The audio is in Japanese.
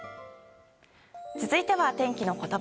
続いては、天気のことば。